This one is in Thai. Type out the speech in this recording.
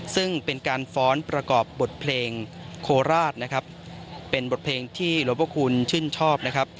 ซึ่งเป็นการฟ้อนประกอบบทเพลงโคราชนะครับเป็นบทเพลงที่หลวงพระคุณชื่นชอบนะครับ